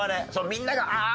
みんなが「ああ！